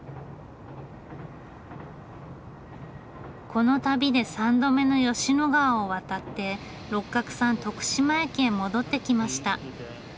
この旅で３度目の吉野川を渡って六角さん徳島駅へ戻ってきました。